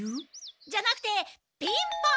じゃなくてピンポン！